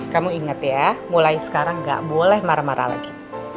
kamu ingat ya mulai sekarang gak boleh marah marah lagi